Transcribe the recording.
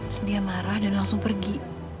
terus dia marah dan langsung pergi